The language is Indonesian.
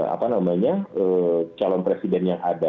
apa namanya calon presidennya itu